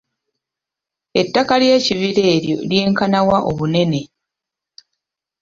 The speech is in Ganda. Ettaka ly'ekibira eryo lyenkana wa obunene?